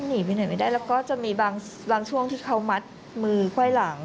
หนีไปไหนไม่ได้แล้วก็จะมีบางช่วงที่เขามัดมือไขว้หลัง